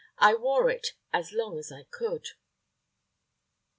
I wore it as long as I could!"